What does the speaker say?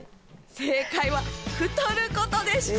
正解は太ることでした。